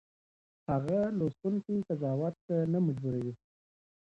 هغه لوستونکی قضاوت ته نه مجبوروي.